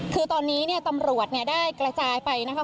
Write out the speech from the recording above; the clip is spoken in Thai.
คือตอนนี้เนี่ยตำรวจเนี่ยได้กระจายไปนะคะ